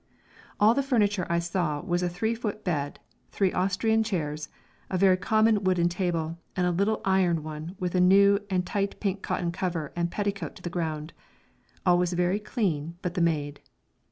All the furniture I saw was a 3 foot bed, three Austrian chairs, a very common wooden table, and a little iron one with a new and tight pink cotton cover and petticoat to the ground. All was very clean but the maid.